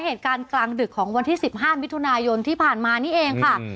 เหตุการณ์กลางดึกของวันที่๑๕มิถุนายนที่ผ่านมานี่เองค่ะ